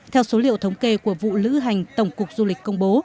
theo số liệu thống kê của vụ lữ hành tổng cục du lịch công bố